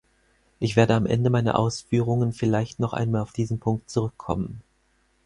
Ich werde am Ende meiner Ausführungen vielleicht noch einmal auf diesen Punkt zurückkommen.